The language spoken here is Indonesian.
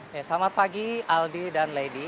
selamat pagi aldi dan lady